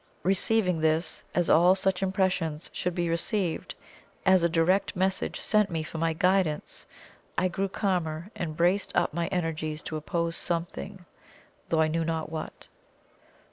Receiving this, as all such impressions should be received, as a direct message sent me for my guidance, I grew calmer, and braced up my energies to oppose SOMETHING, though I knew not what.